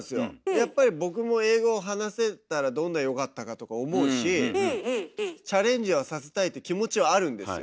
やっぱり僕も英語を話せたらどんなによかったかとか思うしチャレンジはさせたいって気持ちはあるんですよ。